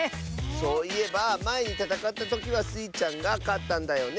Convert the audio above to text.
そういえばまえにたたかったときはスイちゃんがかったんだよね？